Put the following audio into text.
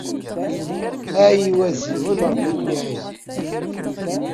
Ay iwaziwen Rebbi ad ken-iɛiwen.